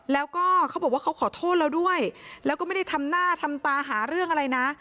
แล้วก็เขาบอกว่าเขาขอโทษเราด้วยแล้วก็ไม่ได้ทำหน้าทำตาหาเรื่องอะไรนะ